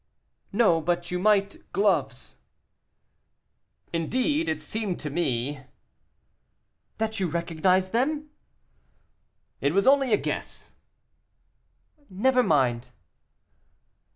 "No, but you might gloves." "Indeed, it seemed to me " "That you recognized them?" "It was only a guess." "Never mind."